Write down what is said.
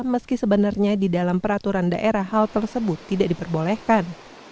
meski sebenarnya di dalam peraturan daerah hal tersebut tidak diperbolehkan